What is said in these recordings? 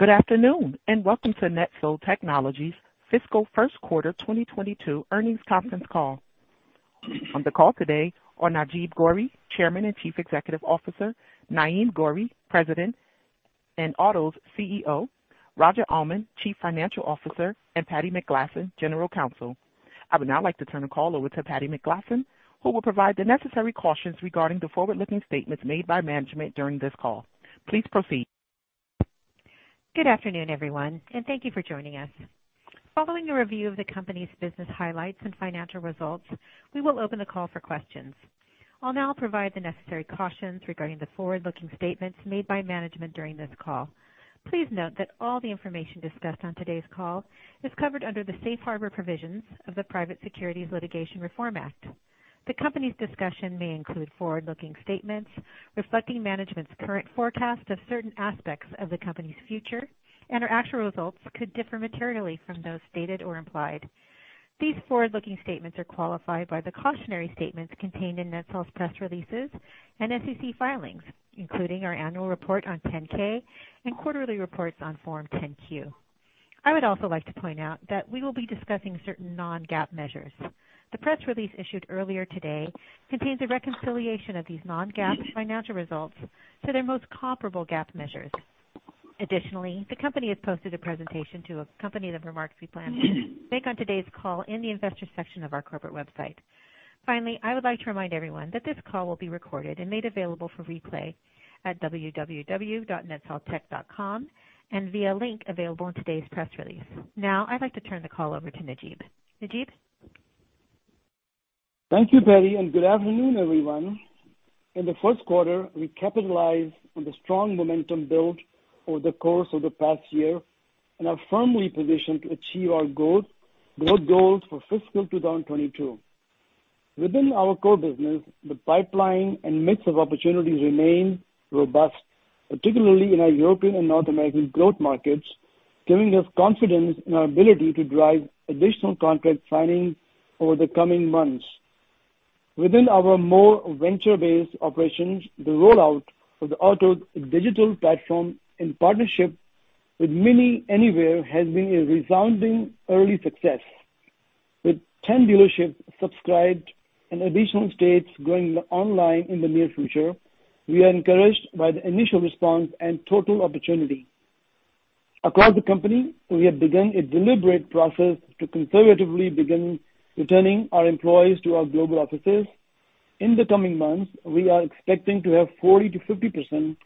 Good afternoon, and welcome to NetSol Technologies' fiscal first quarter 2022 earnings conference call. On the call today are Najeeb Ghauri, Chairman and Chief Executive Officer, Naeem Ghauri, President and Otoz CEO, Roger Almond, Chief Financial Officer, and Patti McGlasson, General Counsel. I would now like to turn the call over to Patti McGlasson, who will provide the necessary cautions regarding the forward-looking statements made by management during this call. Please proceed. Good afternoon, everyone, and thank you for joining us. Following a review of the company's business highlights and financial results, we will open the call for questions. I'll now provide the necessary cautions regarding the forward-looking statements made by management during this call. Please note that all the information discussed on today's call is covered under the safe harbor provisions of the Private Securities Litigation Reform Act. The company's discussion may include forward-looking statements reflecting management's current forecast of certain aspects of the company's future, and our actual results could differ materially from those stated or implied. These forward-looking statements are qualified by the cautionary statements contained in NETSOL's press releases and SEC filings, including our annual report on 10-K and quarterly reports on Form 10-Q. I would also like to point out that we will be discussing certain non-GAAP measures. The press release issued earlier today contains a reconciliation of these non-GAAP financial results to their most comparable GAAP measures. Additionally, the company has posted a presentation to accompany the remarks we plan to make on today's call in the investor section of our corporate website. Finally, I would like to remind everyone that this call will be recorded and made available for replay at www.netsoltech.com and via link available in today's press release. Now I'd like to turn the call over to Najeeb. Najeeb? Thank you, Patti, and good afternoon, everyone. In the first quarter, we capitalized on the strong momentum built over the course of the past year and are firmly positioned to achieve our growth goals for fiscal 2022. Within our core business, the pipeline and mix of opportunities remain robust, particularly in our European and North American growth markets, giving us confidence in our ability to drive additional contract signings over the coming months. Within our more venture-based operations, the rollout of the Otoz digital platform in partnership with MINI Anywhere has been a resounding early success. With 10 dealerships subscribed and additional states going online in the near future, we are encouraged by the initial response and total opportunity. Across the company, we have begun a deliberate process to conservatively begin returning our employees to our global offices. In the coming months, we are expecting to have 40%-50%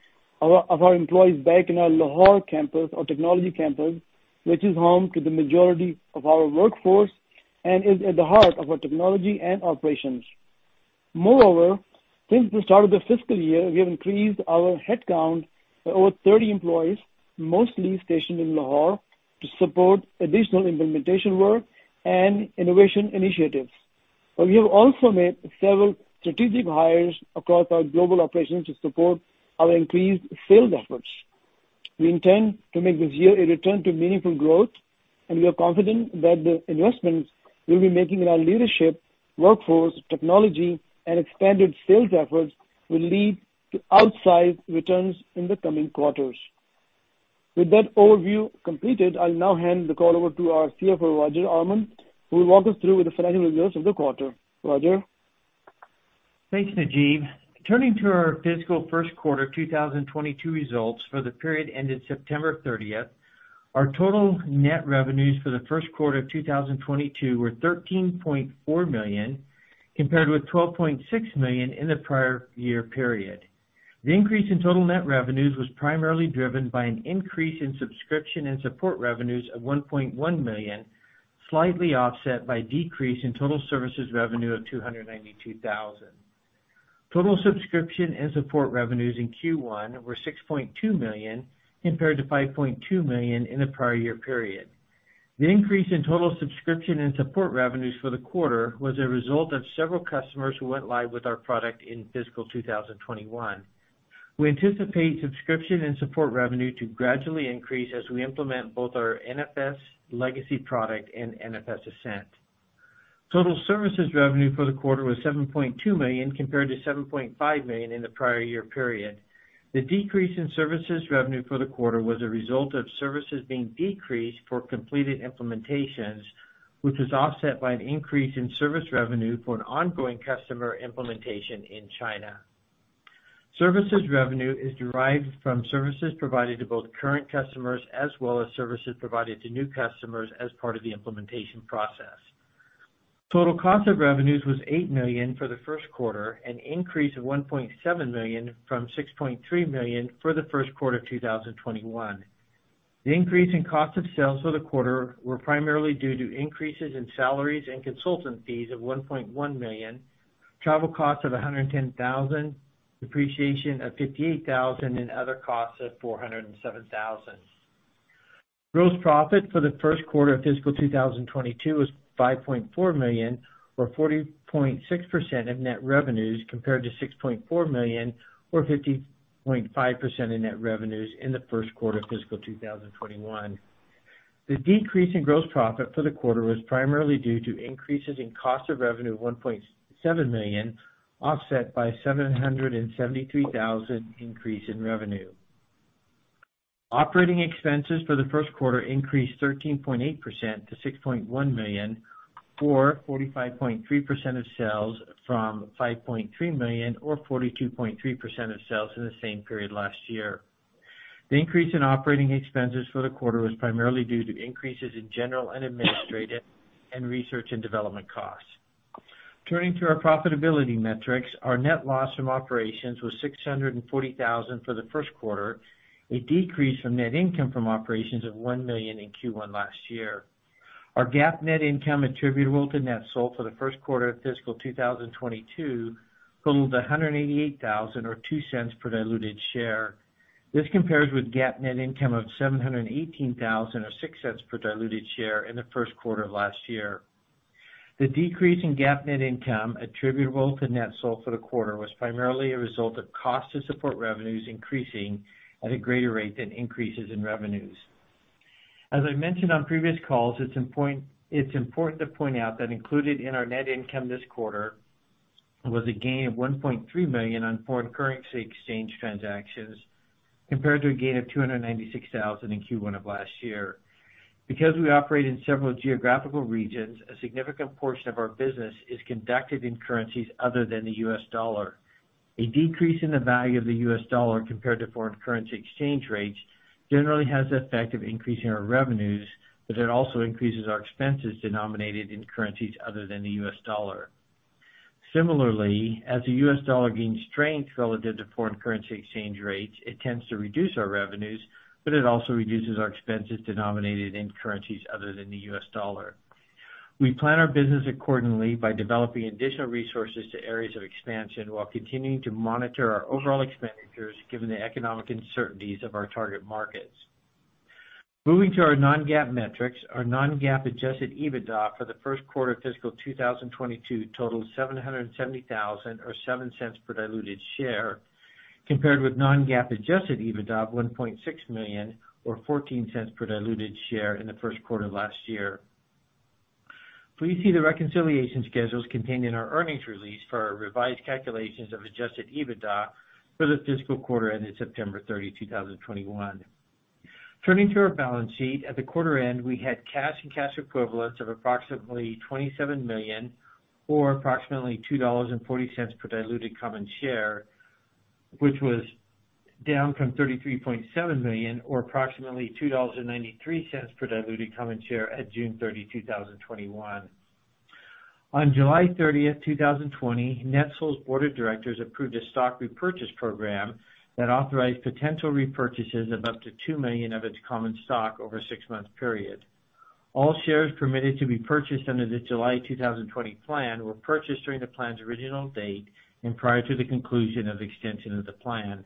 of our employees back in our Lahore campus, our technology campus, which is home to the majority of our workforce and is at the heart of our technology and operations. Moreover, since the start of the fiscal year, we have increased our headcount by over 30 employees, mostly stationed in Lahore, to support additional implementation work and innovation initiatives. We have also made several strategic hires across our global operations to support our increased sales efforts. We intend to make this year a return to meaningful growth, and we are confident that the investments we'll be making in our leadership, workforce, technology, and expanded sales efforts will lead to outsized returns in the coming quarters. With that overview completed, I'll now hand the call over to our CFO, Roger Almond, who will walk us through the financial results of the quarter. Roger? Thanks, Najeeb. Turning to our fiscal first quarter 2022 results for the period ended September 30th. Our total net revenues for the first quarter of 2022 were $13.4 million, compared with $12.6 million in the prior year period. The increase in total net revenues was primarily driven by an increase in subscription and support revenues of $1.1 million, slightly offset by decrease in total services revenue of $292 thousand. Total subscription and support revenues in Q1 were $6.2 million compared to $5.2 million in the prior year period. The increase in total subscription and support revenues for the quarter was a result of several customers who went live with our product in fiscal 2021. We anticipate subscription and support revenue to gradually increase as we implement both our NFS legacy product and NFS Ascent. Total services revenue for the quarter was $7.2 million compared to $7.5 million in the prior year period. The decrease in services revenue for the quarter was a result of services being decreased for completed implementations, which was offset by an increase in service revenue for an ongoing customer implementation in China. Services revenue is derived from services provided to both current customers as well as services provided to new customers as part of the implementation process. Total cost of revenues was $8 million for the first quarter, an increase of $1.7 million from $6.3 million for the first quarter of 2021. The increase in cost of sales for the quarter were primarily due to increases in salaries and consultant fees of $1.1 million, travel costs of $110,000, depreciation of $58,000, and other costs of $407,000. Gross profit for the first quarter of fiscal 2022 was $5.4 million, or 40.6% of net revenues, compared to $6.4 million, or 50.5% of net revenues in the first quarter of fiscal 2021. The decrease in gross profit for the quarter was primarily due to increases in cost of revenue $1.7 million, offset by $773,000 increase in revenue. Operating expenses for the first quarter increased 13.8% to $6.1 million, or 45.3% of sales from $5.3 million or 42.3% of sales in the same period last year. The increase in operating expenses for the quarter was primarily due to increases in general and administrative and research and development costs. Turning to our profitability metrics. Our net loss from operations was $640,000 for the first quarter, a decrease from net income from operations of $1 million in Q1 last year. Our GAAP net income attributable to NetSol for the first quarter of fiscal 2022 totaled $188,000 or $0.02 per diluted share. This compares with GAAP net income of $718 thousand or $0.06 per diluted share in the first quarter of last year. The decrease in GAAP net income attributable to NetSol for the quarter was primarily a result of costs to support revenues increasing at a greater rate than increases in revenues. As I mentioned on previous calls, it's important to point out that included in our net income this quarter was a gain of $1.3 million on foreign currency exchange transactions, compared to a gain of $296 thousand in Q1 of last year. Because we operate in several geographical regions, a significant portion of our business is conducted in currencies other than the U.S. dollar. A decrease in the value of the U.S. dollar compared to foreign currency exchange rates generally has the effect of increasing our revenues, but it also increases our expenses denominated in currencies other than the U.S. dollar. Similarly, as the U.S. dollar gains strength relative to foreign currency exchange rates, it tends to reduce our revenues, but it also reduces our expenses denominated in currencies other than the U.S. dollar. We plan our business accordingly by developing additional resources to areas of expansion while continuing to monitor our overall expenditures given the economic uncertainties of our target markets. Moving to our non-GAAP metrics. Our non-GAAP adjusted EBITDA for the first quarter of fiscal 2022 totaled $770,000 or $0.07 per diluted share, compared with non-GAAP adjusted EBITDA of $1.6 million or $0.14 per diluted share in the first quarter last year. Please see the reconciliation schedules contained in our earnings release for our revised calculations of adjusted EBITDA for the fiscal quarter ending September 30, 2021. Turning to our balance sheet. At the quarter end, we had cash and cash equivalents of approximately $27 million or approximately $2.40 per diluted common share, which was down from $33.7 million or approximately $2.93 per diluted common share at June 30, 2021. On July 30th, 2020, NetSol's board of directors approved a stock repurchase program that authorized potential repurchases of up to two million of its common stock over a six-month period. All shares permitted to be purchased under the July 2020 plan were purchased during the plan's original date and prior to the conclusion of extension of the plan.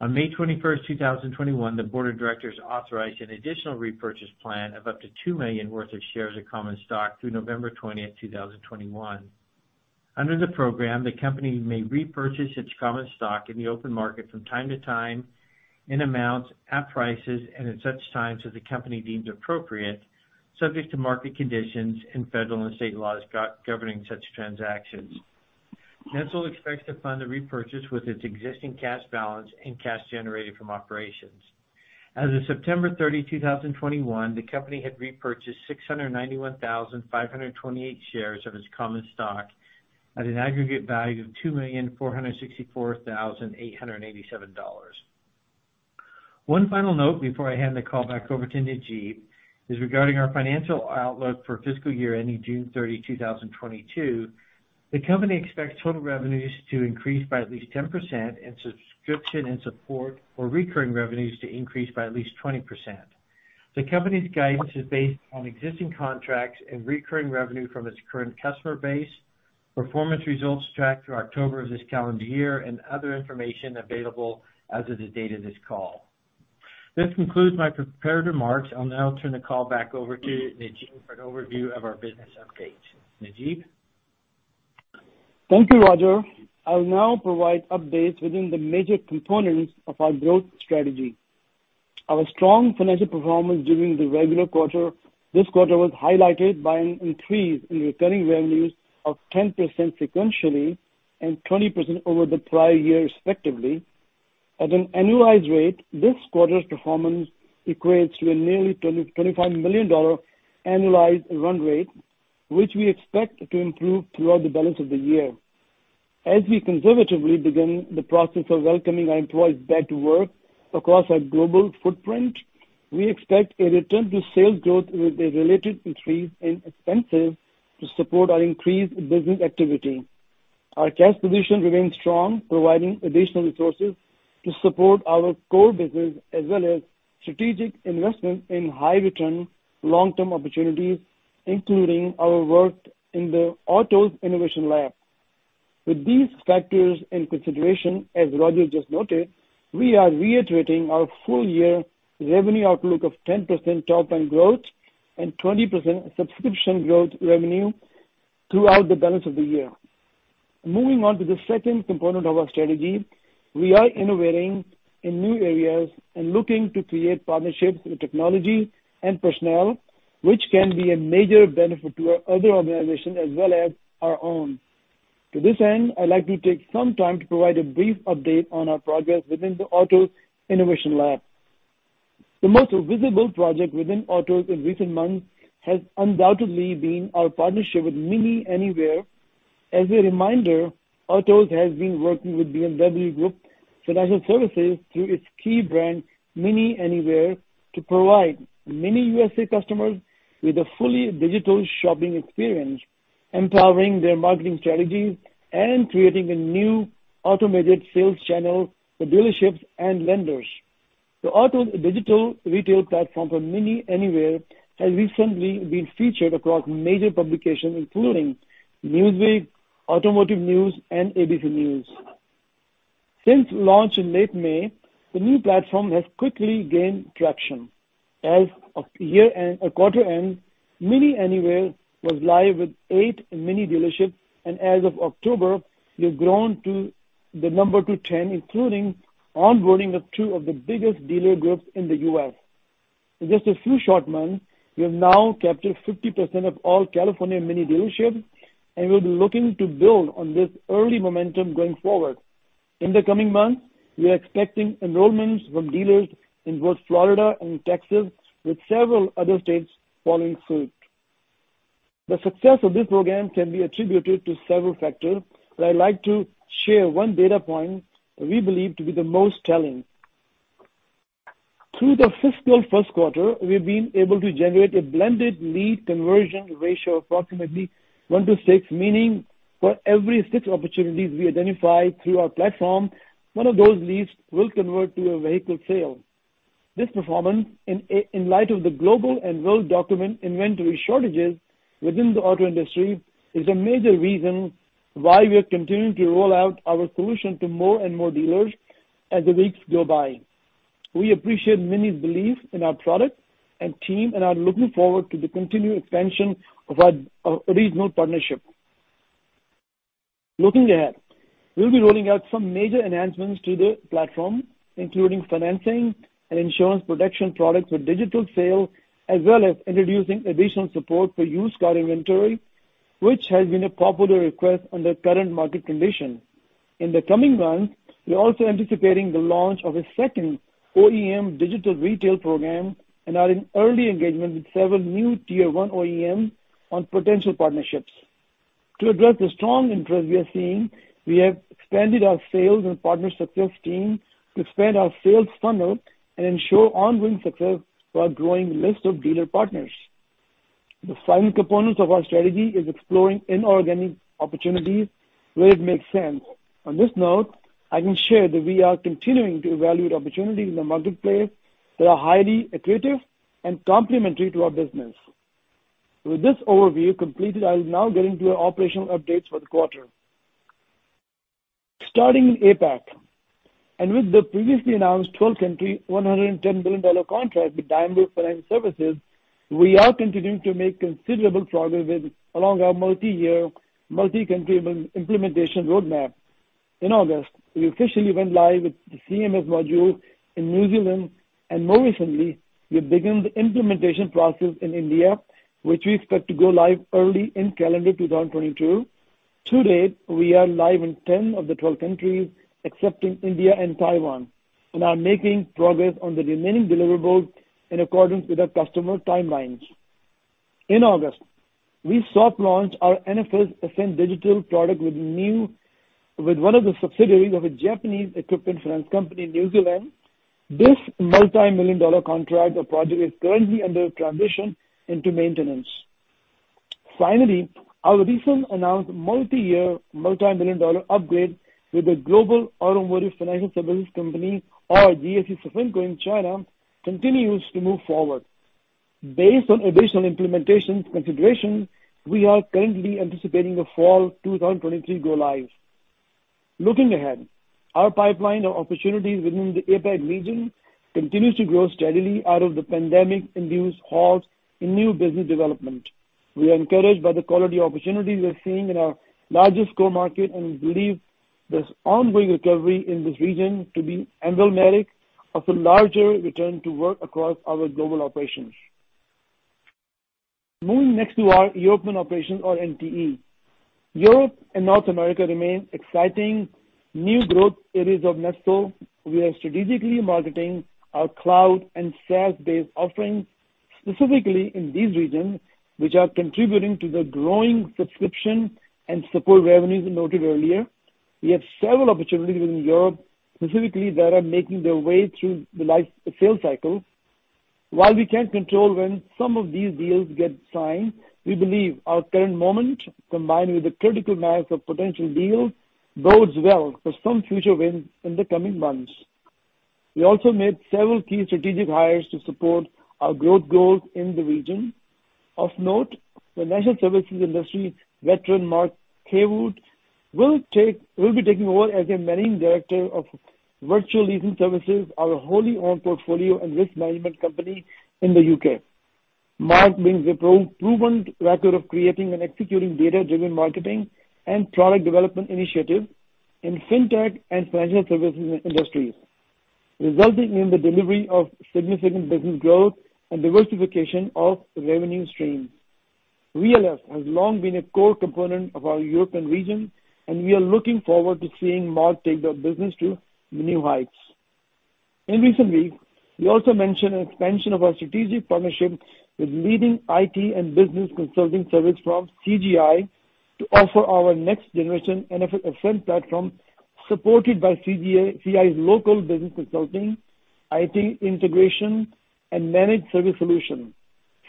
On May 21st, 2021, the board of directors authorized an additional repurchase plan of up to $2 million worth of shares of common stock through November 20th, 2021. Under the program, the company may repurchase its common stock in the open market from time to time in amounts, at prices, and at such times as the company deems appropriate, subject to market conditions and federal and state laws governing such transactions. NetSol expects to fund the repurchase with its existing cash balance and cash generated from operations. As of September 30, 2021, the company had repurchased 691,528 shares of its common stock at an aggregate value of $2,464,887. One final note before I hand the call back over to Najeeb is regarding our financial outlook for fiscal year ending June 30, 2022. The company expects total revenues to increase by at least 10% and subscription and support or recurring revenues to increase by at least 20%. The company's guidance is based on existing contracts and recurring revenue from its current customer base, performance results tracked through October of this calendar year, and other information available as of the date of this call. This concludes my prepared remarks. I'll now turn the call back over to Najeeb for an overview of our business update. Najeeb? Thank you, Roger. I'll now provide updates within the major components of our growth strategy. Our strong financial performance during the quarter was highlighted by an increase in recurring revenues of 10% sequentially and 20% over the prior year respectively. At an annualized rate, this quarter's performance equates to a nearly $25 million annualized run rate, which we expect to improve throughout the balance of the year. As we conservatively begin the process of welcoming our employees back to work across our global footprint, we expect a return to sales growth with a related increase in expenses to support our increased business activity. Our cash position remains strong, providing additional resources to support our core business as well as strategic investments in high return, long-term opportunities, including our work in the OTOZ Innovation Lab. With these factors in consideration, as Roger just noted, we are reiterating our full-year revenue outlook of 10% top-line growth and 20% subscription growth revenue throughout the balance of the year. Moving on to the second component of our strategy, we are innovating in new areas and looking to create partnerships with technology and personnel, which can be a major benefit to our other organization as well as our own. To this end, I'd like to take some time to provide a brief update on our progress within the OTOZ Innovation Lab. The most visible project within Otoz in recent months has undoubtedly been our partnership with MINI Anywhere. As a reminder, Otoz has been working with BMW Group Financial Services through its key brand, MINI Anywhere, to provide many U.S. customers with a fully digital shopping experience, empowering their marketing strategies and creating a new automated sales channel for dealerships and lenders. The Otoz digital retail platform for MINI Anywhere has recently been featured across major publications, including Newsweek, Automotive News, and ABC News. Since launch in late May, the new platform has quickly gained traction. As of quarter end, MINI Anywhere was live with eight MINI dealerships, and as of October, we have grown the number to 10, including onboarding of two of the biggest dealer groups in the U.S. In just a few short months, we have now captured 50% of all California MINI dealerships, and we'll be looking to build on this early momentum going forward. In the coming months, we are expecting enrollments from dealers in both Florida and Texas, with several other states following suit. The success of this program can be attributed to several factors, but I'd like to share one data point we believe to be the most telling. Through the fiscal first quarter, we've been able to generate a blended lead conversion ratio of approximately one to six, meaning for every six opportunities we identify through our platform, one of those leads will convert to a vehicle sale. This performance in light of the global and well-documented inventory shortages within the auto industry is a major reason why we are continuing to roll out our solution to more and more dealers as the weeks go by. We appreciate MINI's belief in our product and team and are looking forward to the continued expansion of our regional partnership. Looking ahead, we'll be rolling out some major enhancements to the platform, including financing and insurance protection products with digital sales as well as introducing additional support for used car inventory, which has been a popular request under current market conditions. In the coming months, we're also anticipating the launch of a second OEM digital retail program and are in early engagement with several new tier one OEMs on potential partnerships. To address the strong interest we are seeing, we have expanded our sales and partner success team to expand our sales funnel and ensure ongoing success for our growing list of dealer partners. The final component of our strategy is exploring inorganic opportunities where it makes sense. On this note, I can share that we are continuing to evaluate opportunities in the marketplace that are highly accretive and complementary to our business. With this overview completed, I'll now get into our operational updates for the quarter. Starting in APAC, with the previously announced 12-country, $110 billion contract with Daimler Financial Services, we are continuing to make considerable progress along our multi-year, multi-country implementation roadmap. In August, we officially went live with the CMS module in New Zealand, and more recently, we began the implementation process in India, which we expect to go live early in calendar 2022. To date, we are live in 10 of the 12 countries, excepting India and Taiwan, and are making progress on the remaining deliverables in accordance with our customer timelines. In August, we soft launched our NFS Ascent digital product with one of the subsidiaries of a Japanese equipment finance company in New Zealand. This multi-million-dollar contract or project is currently under transition into maintenance. Finally, our recent announced multi-year, multi-million-dollar upgrade with a global automotive financial services company or GAC-Sofinco in China continues to move forward. Based on additional implementation considerations, we are currently anticipating a fall 2023 go-live. Looking ahead, our pipeline of opportunities within the APAC region continues to grow steadily out of the pandemic-induced halt in new business development. We are encouraged by the quality of opportunities we're seeing in our largest core market, and we believe this ongoing recovery in this region to be emblematic of the larger return to work across our global operations. Moving next to our European operations or NTE. Europe and North America remain exciting new growth areas of NetSol. We are strategically marketing our cloud and SaaS-based offerings, specifically in these regions, which are contributing to the growing subscription and support revenues we noted earlier. We have several opportunities within Europe specifically that are making their way through the sales cycle. While we can't control when some of these deals get signed, we believe our current moment, combined with the critical mass of potential deals, bodes well for some future wins in the coming months. We also made several key strategic hires to support our growth goals in the region. Of note, the financial services industry veteran, Mark Haywood, will be taking over as the Managing Director of Virtual Lease Services, our wholly owned portfolio and risk management company in the U.K. Mark brings a proven record of creating and executing data-driven marketing and product development initiatives in fintech and financial services industries, resulting in the delivery of significant business growth and diversification of revenue streams. VLS has long been a core component of our European region, and we are looking forward to seeing Mark take their business to new heights. In recent weeks, we also mentioned an expansion of our strategic partnership with leading IT and business consulting service firm CGI to offer our next generation NFS Ascent platform, supported by CGI's local business consulting, IT integration, and managed service solutions.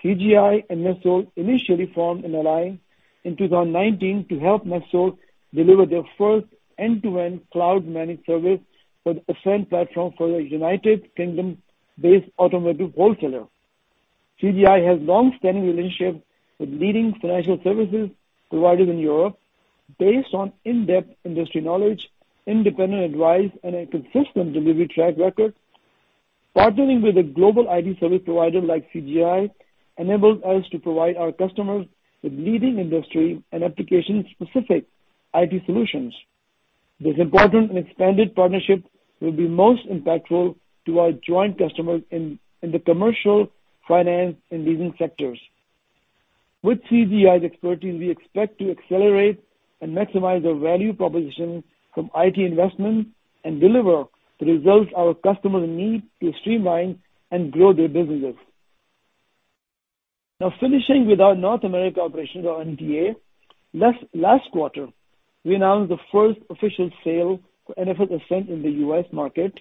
CGI and NetSol initially formed an alliance in 2019 to help NetSol deliver their first end-to-end cloud managed service for the Ascent platform for a United Kingdom-based automotive wholesaler. CGI has long-standing relationships with leading financial services providers in Europe based on in-depth industry knowledge, independent advice, and a consistent delivery track record. Partnering with a global IT service provider like CGI enables us to provide our customers with leading industry and application-specific IT solutions. This important and expanded partnership will be most impactful to our joint customers in the commercial, finance, and leasing sectors. With CGI's expertise, we expect to accelerate and maximize their value proposition from IT investments and deliver the results our customers need to streamline and grow their businesses. Now finishing with our North America operations or NTA. Last quarter, we announced the first official sale for NFS Ascent in the U.S. market,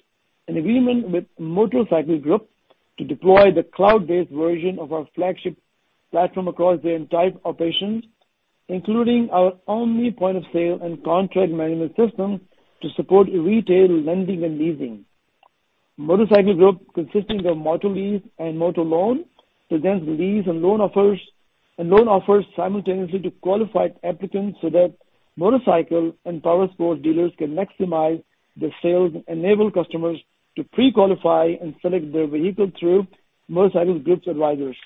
an agreement with Motorcycle Group to deploy the cloud-based version of our flagship platform across their entire operations, including our Otoz point-of-sale and contract management system to support retail lending and leasing. Motorcycle Group, consisting of MotoLease and MotoLoan, presents lease and loan offers simultaneously to qualified applicants so that motorcycle and powersports dealers can maximize their sales and enable customers to pre-qualify and select their vehicle through Motorcycle Group's advisors.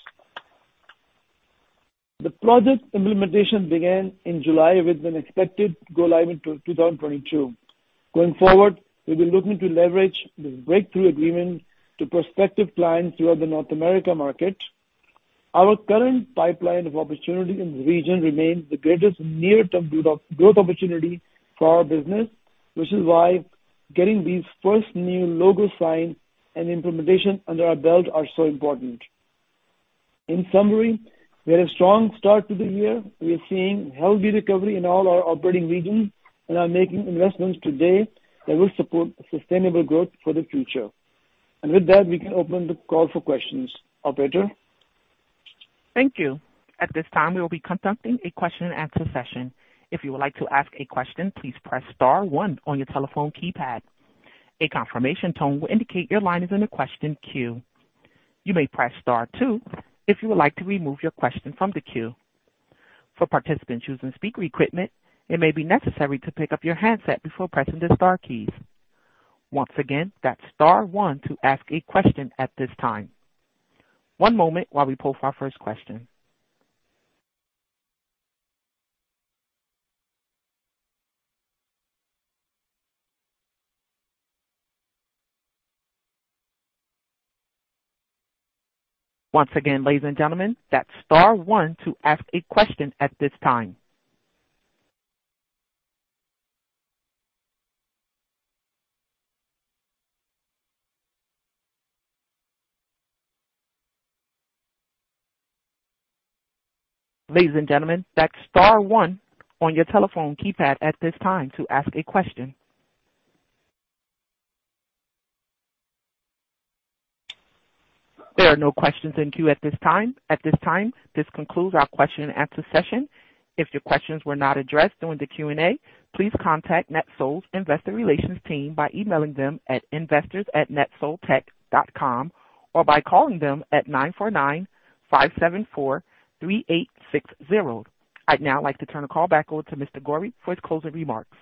The project implementation began in July with an expected go live in 2022. Going forward, we'll be looking to leverage this breakthrough agreement to prospective clients throughout the North America market. Our current pipeline of opportunities in the region remains the greatest near-term build-up, growth opportunity for our business, which is why getting these first new logo signs and implementation under our belt are so important. In summary, we had a strong start to the year. We are seeing healthy recovery in all our operating regions and are making investments today that will support sustainable growth for the future. With that, we can open the call for questions. Operator? Thank you. At this time, we will be conducting a question-and-answer session. If you would like to ask a question, please press star one on your telephone keypad. A confirmation tone will indicate your line is in the question queue. You may press star two if you would like to remove your question from the queue. For participants using speaker equipment, it may be necessary to pick up your handset before pressing the star keys. Once again, that's star one to ask a question at this time. One moment while we poll for our first question. Once again, ladies and gentlemen, that's star one to ask a question at this time. Ladies and gentlemen, that's star one on your telephone keypad at this time to ask a question. There are no questions in queue at this time, at this time. This concludes our question-and-answer session. If your questions were not addressed during the Q&A, please contact NetSol's investor relations team by emailing them at investors@netsoltech.com or by calling them at 949-574-3860. I'd now like to turn the call back over to Mr. Ghauri for his closing remarks.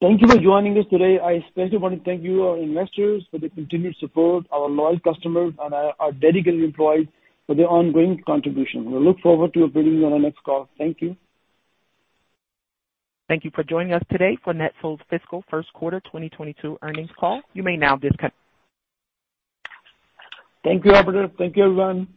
Thank you for joining us today. I especially want to thank you, our investors, for the continued support, our loyal customers, and our dedicated employees for their ongoing contribution. We look forward to updating you on our next call. Thank you. Thank you for joining us today for NetSol's fiscal first quarter 2022 earnings call. You may now disconnect. Thank you, operator. Thank you, everyone.